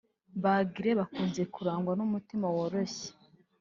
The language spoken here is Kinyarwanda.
Ba Gilles bakunze kurangwa n’umutima woroshye